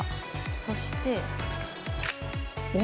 そして。